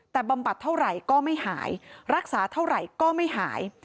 แต่บำบัดเท่าไหร่ก็ไม่หายรักษาเท่าไหร่ก็ไม่หาย